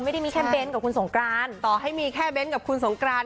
ไม่ได้มีแค่เน้นกับคุณสงกรานต่อให้มีแค่เน้นกับคุณสงกราน